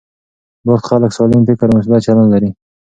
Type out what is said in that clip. بوخت خلک سالم فکر او مثبت چلند لري.